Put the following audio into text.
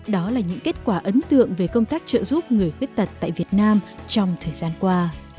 đó là những kết quả ấn tượng về công tác trợ giúp người khuyết tật tại việt nam trong thời gian qua